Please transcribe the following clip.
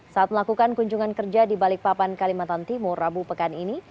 saat melakukan kunjungan kerja di balikpapan kalimantan timur rabu pekan ini